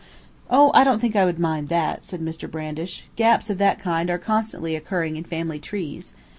"Oh, I don't think I would mind that," said Mr. Brandish. "Gaps of that kind are constantly occurring in family trees.